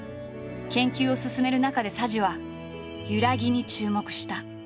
研究を進める中で佐治は「ゆらぎ」に注目した。